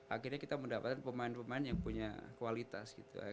akhirnya kita mendapatkan pemain pemain yang punya kualitas gitu